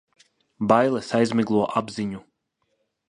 Bailes aizmiglo apziņu.